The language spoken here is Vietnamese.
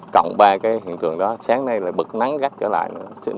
cộng ba cái hình thường đó sáng nay lại bực nắng gắt trở lại